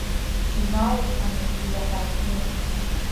Иналырҟьаны, иҩаҳаракны.